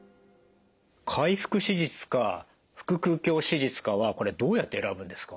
開腹手術か腹腔鏡手術かはこれどうやって選ぶんですか？